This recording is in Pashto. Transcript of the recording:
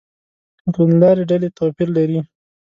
له توندلارې ډلې توپیر لري.